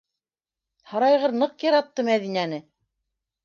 Һарайғыр ныҡ яратты Мәҙинәне!